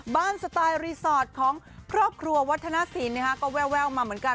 สไตล์รีสอร์ทของครอบครัววัฒนศิลปก็แววมาเหมือนกัน